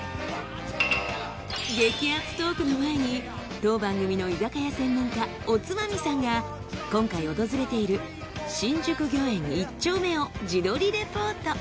激熱トークの前に当番組の居酒屋専門家おつまみさんが今回訪れている新宿魚縁一丁目を自撮りレポート。